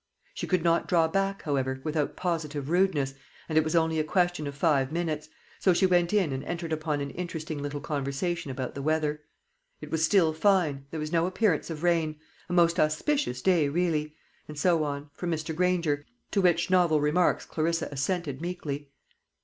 She could not draw back, however, without positive rudeness, and it was only a question of five minutes; so she went in and entered upon an interesting little conversation about the weather. It was still fine; there was no appearance of rain; a most auspicious day, really; and so on, from Mr. Granger; to which novel remarks Clarissa assented meekly.